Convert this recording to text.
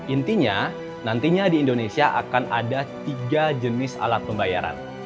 intinya nantinya di indonesia akan ada tiga jenis alat pembayaran